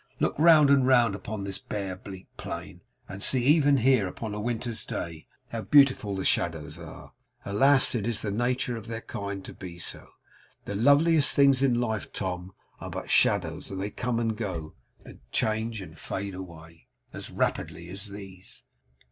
Look round and round upon this bare bleak plain, and see even here, upon a winter's day, how beautiful the shadows are! Alas! it is the nature of their kind to be so. The loveliest things in life, Tom, are but shadows; and they come and go, and change and fade away, as rapidly as these!